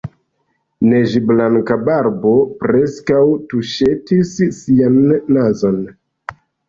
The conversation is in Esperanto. Neĝblanka barbo preskaŭ tuŝetis ŝian nazon.